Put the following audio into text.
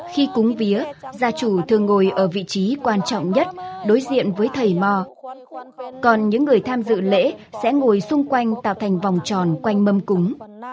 khi cúng vía gia chủ thường ngồi ở vị trí quan trọng nhất đối diện với thầy mò còn những người tham dự lễ sẽ ngồi xung quanh tạo thành vòng tròn quanh mâm cúng